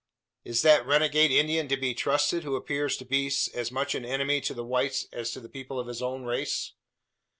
"Is that renegade Indian to be trusted, who appears to be as much an enemy to the whites as to the people of his own race?"